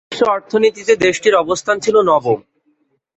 বিশ্ব অর্থনীতিতে দেশটির অবস্থান ছিল নবম।